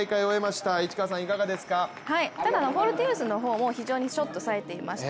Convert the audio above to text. ただ、フォルティウスの方もショットがさえていました。